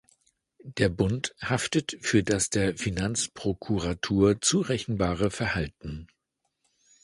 Der Bund haftet für das der Finanzprokuratur zurechenbare Verhalten.